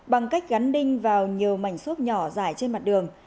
bằng cách gắn đinh vào nhiều mảnh xốp nhỏ giải trên mặt đường